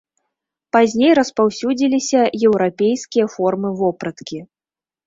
Пазней распаўсюдзіліся еўрапейскія формы вопраткі.